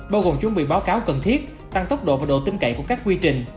bao gồm chuẩn bị báo cáo cần thiết tăng tốc độ và độ tin cậy của các quy trình